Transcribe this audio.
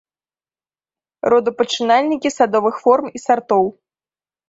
Родапачынальнікі садовых форм і сартоў.